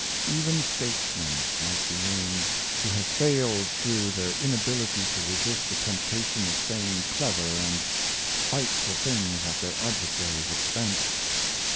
Even statesmen might be named, who have failed through their inability to resist Self control in Speech, 483 the temptation ot saying clever and spiteful things at their adversary's expense.